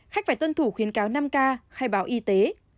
khách phải tuân thủ khuyến cáo năm k khai báo y tế